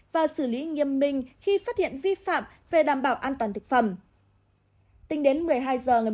và xử lý nghiêm minh khi phát hiện vi phạm về đảm bảo an toàn thực phẩm